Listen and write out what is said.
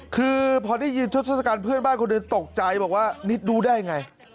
คือพอได้ยินทศกัณฐ์เพื่อนบ้านคนเดียวตกใจบอกว่านิดดูได้ไง